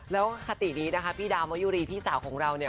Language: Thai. แล้วคตินี้นะคะพี่ดาวมะยุรีพี่สาวของเราเนี่ย